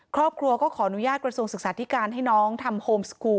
ครอบครัวก็ขออนุญาตกระทรวงศึกษาธิการให้น้องทำโฮมสกูล